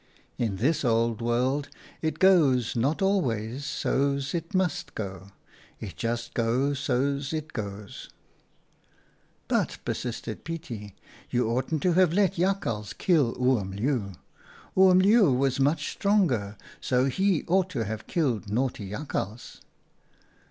In this old world it goes not always so's it must go ; it just go so's it goes." " But," persisted Pietie, "you oughtn't to have let Jakhals kill Oom Leeuw. Oom Leeuw was much stronger, so he ought to have killed naughty Jakhals."